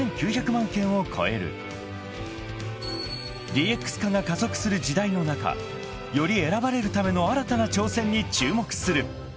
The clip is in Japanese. ［ＤＸ化が加速する時代の中より選ばれるための新たな挑戦に注目する］